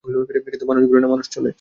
কিন্তু, মানুষ ঘোরে না, মানুষ চলে।